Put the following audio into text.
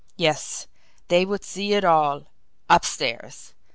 Yes; they would see it all UPSTAIRS!